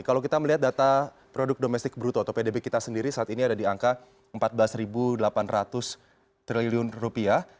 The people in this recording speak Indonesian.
kalau kita melihat data produk domestik bruto atau pdb kita sendiri saat ini ada di angka empat belas delapan ratus triliun rupiah